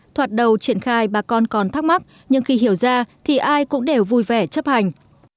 thoạt đầu triển khai bà con còn thắc mắc nhưng khi hiểu ra thì ai cũng đều vui vẻ chấp hành